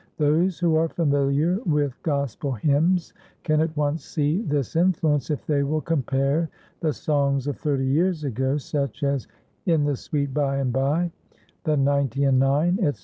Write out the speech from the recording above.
Those who are familiar with gospel hymns can at once see this influence if they will compare the songs of thirty years ago, such as "In the Sweet Bye and Bye," "The Ninety and Nine," etc.